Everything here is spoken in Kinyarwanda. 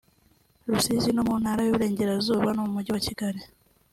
Rusizi mu Ntara y’u Burengerazuba no mu Mujyi wa Kigali